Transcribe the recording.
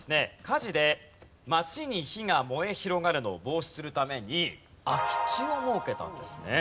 火事で街に火が燃え広がるのを防止するために空き地を設けたんですね。